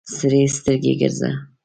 سرې سترګې ګرځه.